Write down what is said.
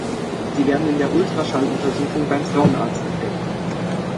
Sie werden in der Ultraschalluntersuchung beim Frauenarzt entdeckt.